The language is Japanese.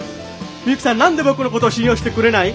ミユキさん何で僕のこと信用してくれない？